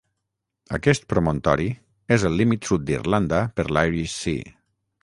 Aquest promontori és el límit sud d'Irlanda per l'Irish Sea.